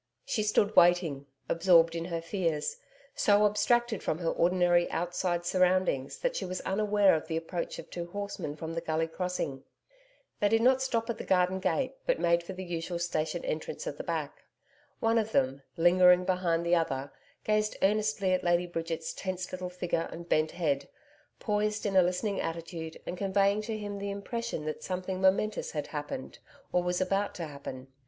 She stood waiting, absorbed in her fears, so abstracted from her ordinary outside surroundings that she was unaware of the approach of two horsemen from the Gully Crossing. They did not stop at the garden gate, but made for the usual station entrance at the back. One of them, lingering behind the other, gazed earnestly at Lady Bridget's tense little figure and bent head, poised in a listening attitude and conveying to him the impression that something momentous had happened or was about to happen.